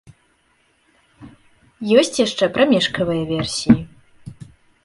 Ёсць яшчэ прамежкавыя версіі.